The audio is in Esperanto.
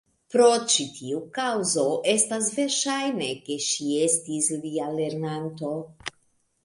Pro ĉi tiu kaŭzo estas verŝajne, ke ŝi estis lia lernanto.